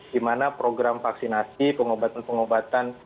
di mana program vaksinasi pengobatan pengobatan